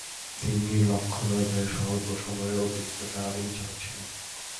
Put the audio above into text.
তিনি লখনউতে স্বল্প সময়ের অতিরিক্ত দেওয়ানী বিচারক ছিলেন।